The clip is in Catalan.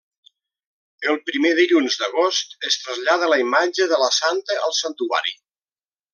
El primer dilluns d'agost es trasllada la imatge de la Santa al Santuari.